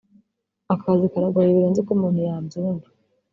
Aka kazi kari kagoye birenze uko umuntu yabyumva